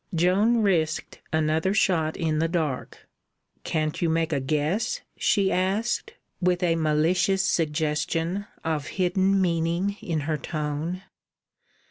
Joan risked another shot in the dark. "Can't you make a guess?" she asked, with a malicious suggestion of hidden meaning in her tone.